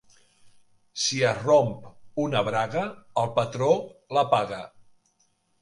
Si es romp una braga, el patró la paga.